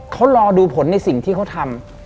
เขารอดูผลในสิ่งที่เขาทำ